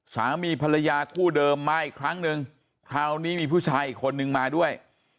สามีภรรยาคู่เดิมมาอีกครั้งหนึ่งคราวนี้มีผู้ชายอีกคนนึงมาด้วย